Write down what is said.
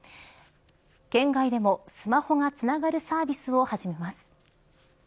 圏外でもスマホがつながるサービスを始めます。